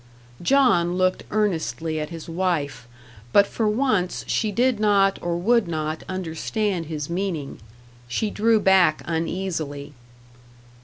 John looked earnestly at his wife, but for once she did not or would not understand his meaning; she drew back uneasily.